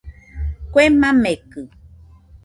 Kue makekɨ